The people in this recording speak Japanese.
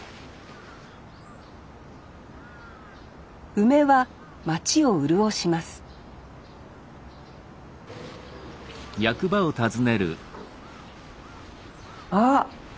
梅は町を潤しますあ！